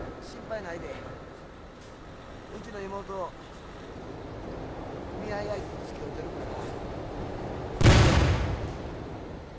ウチの妹見合い相手とつきおうてるから。